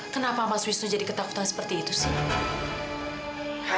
kenapa mas wisnu jadi ketakutan seperti itu sih